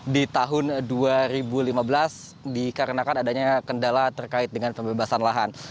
di tahun dua ribu lima belas dikarenakan adanya kendala terkait dengan pembebasan lahan